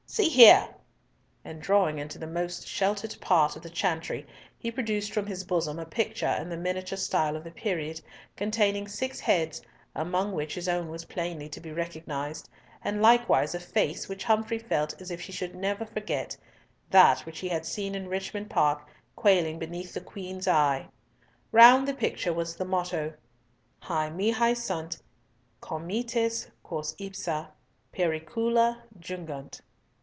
"See here," and drawing into the most sheltered part of the chantry, he produced from his bosom a picture in the miniature style of the period, containing six heads, among which his own was plainly to be recognised, and likewise a face which Humfrey felt as if he should never forget, that which he had seen in Richmond Park, quailing beneath the Queen's eye. Round the picture was the motto— "Hi mihi sunt comites quos ipsa pericula jungunt."